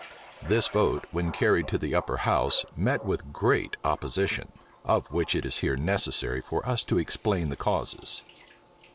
This vote, when carried to the upper house, met with great opposition; of which it is here necessary for us to explain the causes.